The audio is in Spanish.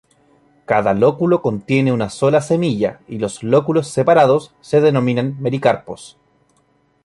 Cada lóculo contiene una sola semilla y los lóculos separados se denominan mericarpos.